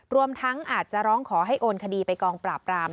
รวมทั้งอาจจะร้องขอให้โอนคดีไปกองปราบราม